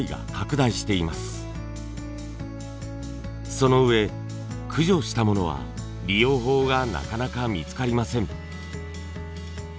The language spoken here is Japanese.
そのうえ駆除したものは利用法がなかなか見つかりません。